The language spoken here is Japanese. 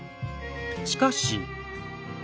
しかし。